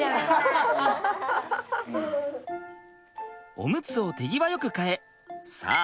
オムツを手際よく替えさあ